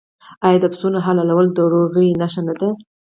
آیا د پسونو حلالول د روغې نښه نه ده؟